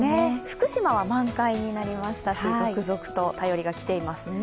福島は満開になりましたし、続々と便りが来ています。